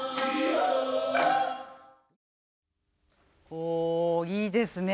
ほういいですね。